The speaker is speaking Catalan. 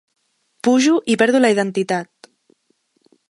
Pujo i perdo la identitat.